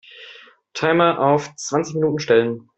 Timer auf zwanzig Minuten stellen.